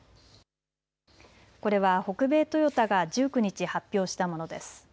これは北米トヨタが１９日、発表したものです。